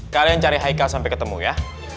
kalian cari hikal sampai ketemu ya